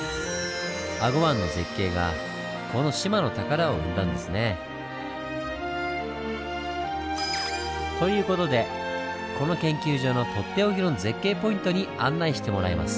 英虞湾の絶景がこの志摩の宝を生んだんですね。という事でこの研究所のとっておきの絶景ポイントに案内してもらいます。